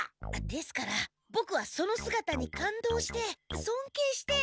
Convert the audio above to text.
ですからボクはその姿に感動して尊敬して。